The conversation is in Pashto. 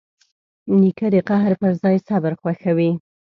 نیکه د قهر پر ځای صبر خوښوي.